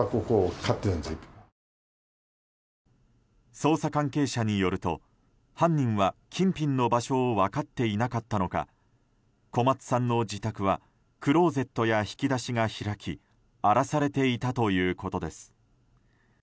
捜査関係者によると犯人は金品の場所を分かっていなかったのか小松さんの自宅はクローゼットや引き出しが開き荒らされていたということです。